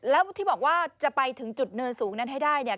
แล้วที่บอกว่าจะไปถึงจุดเนินสูงนั้นให้ได้เนี่ย